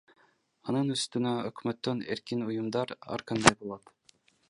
Анын үстүнө өкмөттөн эркин уюмдар ар кандай болот.